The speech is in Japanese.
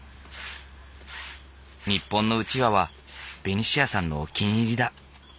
日本のうちわはベニシアさんのお気に入りだ。